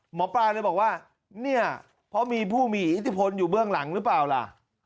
หมอปลาเลยบอกว่าเนี่ยเพราะมีผู้มีอิทธิพลอยู่เบื้องหลังหรือเปล่าล่ะ